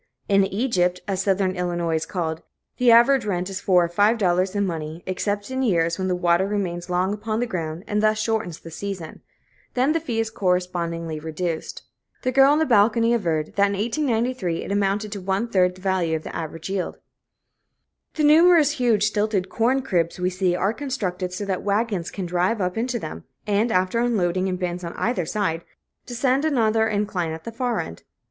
In "Egypt," as Southern Illinois is called, the average rent is four or five dollars in money, except in years when the water remains long upon the ground, and thus shortens the season; then the fee is correspondingly reduced. The girl on the balcony averred, that in 1893 it amounted to one third the value of the average yield. The numerous huge stilted corn cribs we see are constructed so that wagons can drive up into them, and, after unloading in bins on either side, descend another incline at the far end.